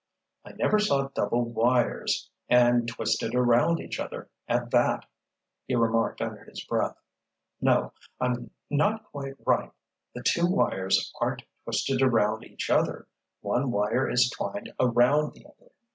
"I never saw double wires—and twisted around each other, at that," he remarked under his breath. "No—I'm not quite right. The two wires aren't twisted around each other. One wire is twined around the other."